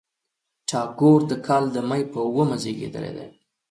ټاګور د کال د مۍ په اوومه زېږېدلی دی.